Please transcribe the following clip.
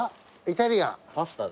イタリアン。